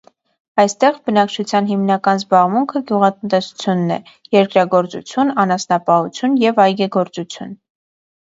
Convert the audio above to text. Այստեղ բնակչության հիմնական զբաղմունքը գյուղատնտեսությունն է՝ երկրագործություն, անասնապահություն և այգեգործություն։